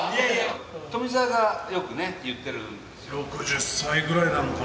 富澤がよくね言ってるんですよ。